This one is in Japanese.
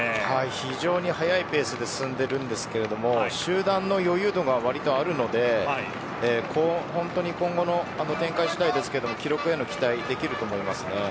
非常に速いペースで進んでいますが集団の余裕がわりとあるので今後の展開しだいですが記録は期待できると思います。